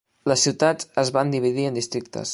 Les ciutats es van dividir en districtes.